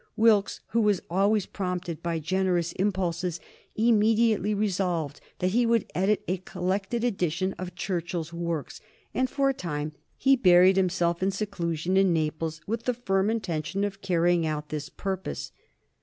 Wilkes, who was always prompted by generous impulses, immediately resolved that he would edit a collected edition of Churchill's works, and for a time he buried himself in seclusion in Naples with the firm intention of carrying out this purpose.